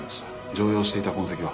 常用していた痕跡は？